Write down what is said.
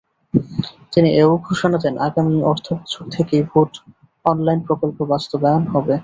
তিনি এ-ও ঘোষণা দেন, আগামী অর্থবছর থেকেই ভ্যাট অনলাইন প্রকল্প বাস্তবায়ন হবে।